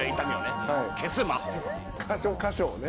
箇所箇所をね。